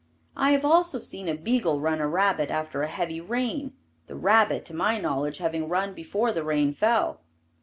I have also seen a beagle run a rabbit after a heavy rain, the rabbit, to my knowledge, having run before the rain fell.